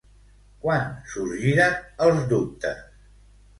Quan sorgiren els dubtes?